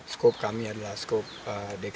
skop kami adalah skop dki